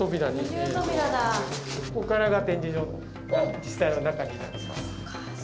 ここからが展示場の実際の中になります。